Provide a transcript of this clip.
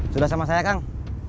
sudah sama saya kang